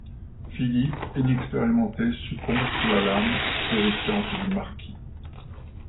Philippe, inexpérimenté, succombe sous la lame terrifiante du marquis.